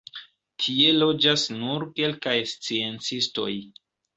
Tie loĝas nur kelkaj sciencistoj.